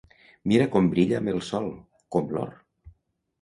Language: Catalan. Mira com brilla amb el sol, com l'or!